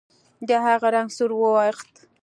د هغه رنګ سور واوښت.